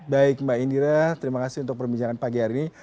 baik mbak indira terima kasih untuk perbincangan pagi hari ini